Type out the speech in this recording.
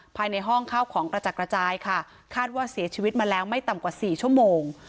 ภายในห้องข้าวของกระจัดกระจายค่ะคาดว่าเสียชีวิตมาแล้วไม่ต่ำกว่าสี่ชั่วโมง